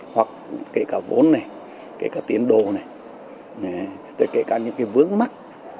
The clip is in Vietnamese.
hoặc kể cả vốn này kể cả tiến đồ này kể cả những cái vướng mắt